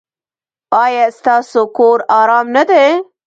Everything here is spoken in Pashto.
ایا ستاسو کور ارام نه دی؟